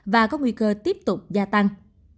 và có nguy cơ tiếp tục gia tăng